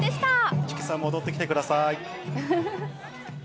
市來さん、戻ってきてください。